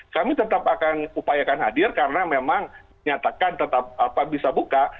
kami tetap akan upayakan hadir karena memang tentuan pem shortset tetap bisa buka